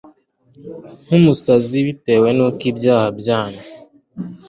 nk umusazi bitewe n uko ibyaha byanyu